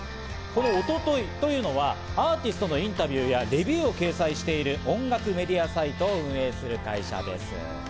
このＯＴＯＴＯＹというのはアーティストのインタビューやレビューを掲載している音楽メディアサイトを運営する会社です。